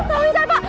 tau di sana pak